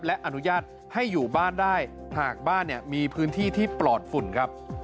และอนุญาตให้อยู่บ้านได้หากบ้านเนี่ยมีพื้นที่ที่ปลอดฝุ่นครับ